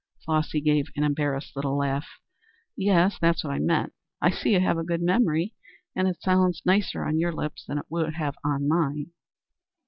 Flossy gave an embarrassed little laugh. "Yes, that's what I meant. I see you have a good memory, and it sounds nicer on your lips than it would on mine."